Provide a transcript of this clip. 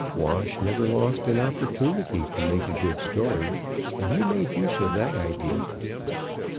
Wash never lost an opportunity to make a good story, and he made use of the idea.